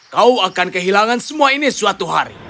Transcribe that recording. kau akan kehilangan semua ini suatu hari